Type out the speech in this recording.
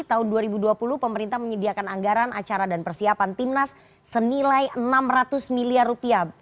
tahun dua ribu dua puluh pemerintah menyediakan anggaran acara dan persiapan timnas senilai enam ratus miliar rupiah